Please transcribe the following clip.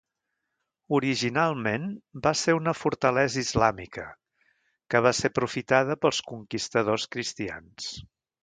Originalment va ser una fortalesa islàmica, que va ser aprofitada pels conquistadors cristians.